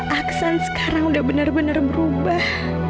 aksan sekarang udah benar benar berubah